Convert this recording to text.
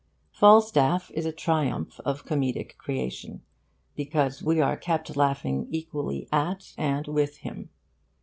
Falstaff is a triumph of comedic creation because we are kept laughing equally at and with him.